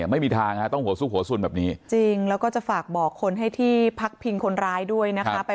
ไม่มีทางฮะต้องหัวซุกหัวสุนแบบนี้จริงแล้วก็จะฝากบอกคนให้ที่พักพิงคนร้ายด้วยนะคะ